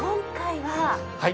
はい。